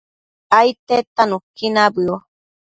aidtedta nuqui nabëo